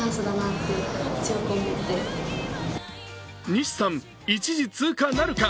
西さん、１次通過なるか。